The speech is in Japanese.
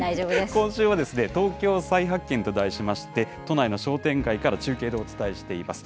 今週は東京再発見と題しまして、都内の商店街から中継でお伝えしています。